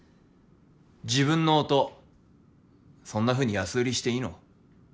自分の音そんなふうに安売りしていいの？